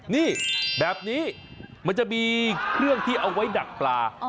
นี่แบบนี้มันจะมีเครื่องที่เอาไว้ดักปลา